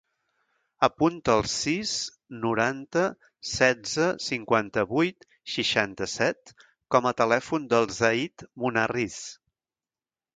Apunta el sis, noranta, setze, cinquanta-vuit, seixanta-set com a telèfon del Zaid Munarriz.